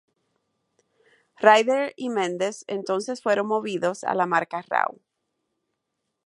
Ryder y Mendes entonces fueron movidos a la marca Raw.